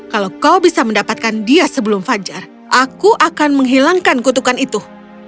kalau kau bisa mendapatkan dia sebelum fajar aku akan menghilangkan kutukan itu